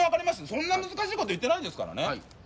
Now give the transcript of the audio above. そんな難しいこと言ってないですからね